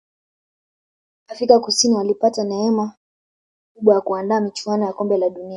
afika kusini walipata neeme kubwa ya kuandaa michuano ya kombe la dunia